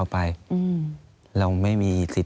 อันดับ๖๓๕จัดใช้วิจิตร